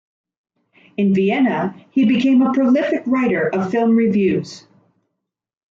In Vienna he became a prolific writer of film reviews.